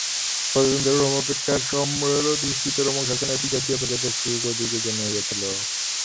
প্রজাতন্ত্র রোমাপেক্ষা সম্রাড়ধিষ্ঠিত রোমক-শাসনে বিজাতীয় প্রজাদের সুখ অধিক এজন্যই হইয়াছিল।